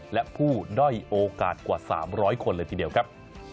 และผู้ด้อยโอกาสกว่า๓๐๐คนเลยทีเดียวครับ